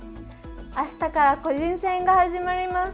あしたから個人戦が始まります。